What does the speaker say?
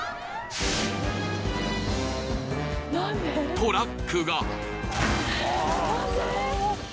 ［トラックが］